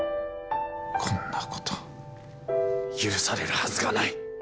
こんなこと許されるはずがない！